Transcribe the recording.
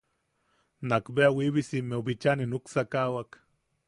Nakbea Wiibisimmeu bicha ne nuksakawak.